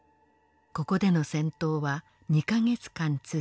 ここでの戦闘は２か月間続き